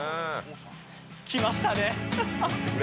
きましたね